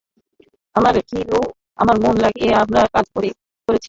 আমাদের ঘিলু এবং মন লাগিয়ে আমরা কাজ করেছি।